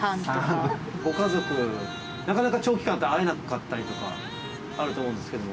ご家族、なかなか長期間、会えなかったりとかあると思うんですけど。